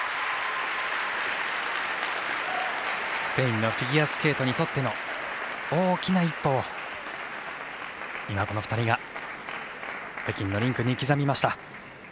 スペインのフィギュアスケートにとっての大きな一歩を今、この２人が北京のリンクに刻みました。